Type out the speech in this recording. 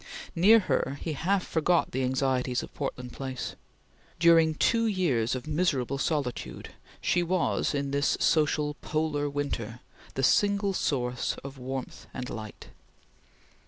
Near her he half forgot the anxieties of Portland Place. During two years of miserable solitude, she was in this social polar winter, the single source of warmth and light.